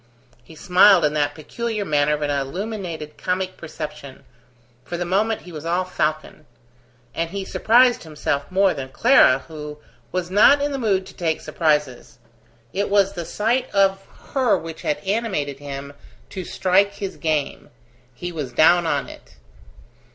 He smiled in that peculiar manner of an illuminated comic perception: for the moment he was all falcon; and he surprised himself more than Clara, who was not in the mood to take surprises. It was the sight of her which had animated him to strike his game; he was down on it.